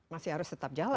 masih harus tetap jalan